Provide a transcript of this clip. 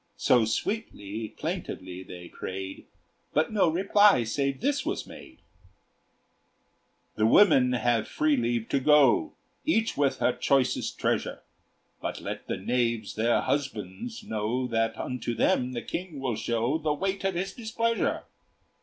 So sweetly, plaintively they prayed, But no reply save this was made: "The women have free leave to go, Each with her choicest treasure; But let the knaves their husbands know That unto them the King will show The weight of his displeasure."